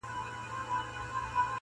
نجلۍ د سخت درد سره مخ کيږي او چيغي وهي